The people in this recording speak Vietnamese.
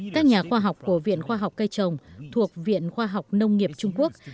các nhà khoa học của viện khoa học cây trồng thuộc viện khoa học nông nghiệp trung quốc